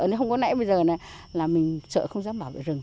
thì không có nãy bây giờ là mình sợ không dám bảo vệ rừng